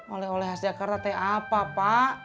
oleh oleh khas jakarta teh apa pak